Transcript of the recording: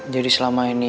jadi selama ini